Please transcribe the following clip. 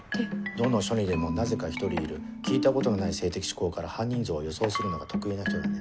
どの署にでもなぜか１人いる聞いたことのない性的嗜好から犯人像を予想するのが得意な人だね。